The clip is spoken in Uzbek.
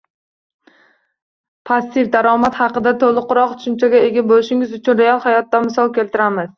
Passiv daromad haqida to’liqroq tushunchaga ega bo’lishingiz uchun real hayotdan misol keltiramiz